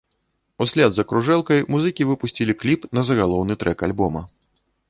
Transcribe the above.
Услед за кружэлкай музыкі выпусцілі кліп на загалоўны трэк альбома.